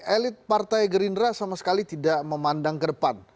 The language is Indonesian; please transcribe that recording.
elit partai gerindra sama sekali tidak memandang ke depan